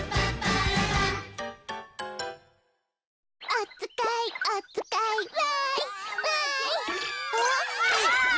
「おつかいおつかい」「わいわい」わまてまて。